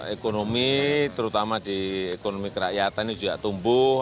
ekonomi terutama di ekonomi kerakyatan ini juga tumbuh